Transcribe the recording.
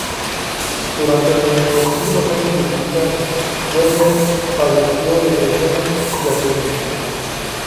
Durante los últimos años de su vida, Werner padeció depresiones y alcoholismo.